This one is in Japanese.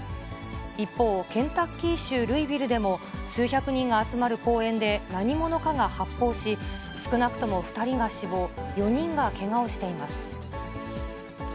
一方、ケンタッキー州ルイビルでも、数百人が集まる公園で何者かが発砲し、少なくとも２人が死亡、４人がけがをしています。